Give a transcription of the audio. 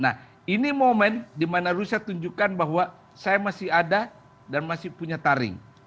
nah ini momen dimana rusia tunjukkan bahwa saya masih ada dan masih punya taring